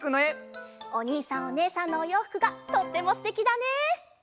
おにいさんおねえさんのおようふくがとってもすてきだね！